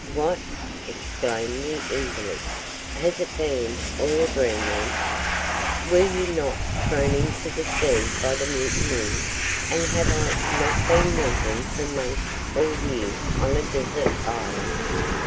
"What?" exclaimed the invalid; "has it been all a dream, then? Were you not thrown into the sea by mutineers, and have I not been wandering for months or years on a desert island?